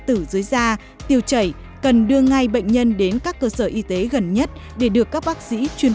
tử dưới da tiêu chảy cần đưa ngay bệnh nhân đến các cơ sở y tế gần nhất để được các bác sĩ chuyên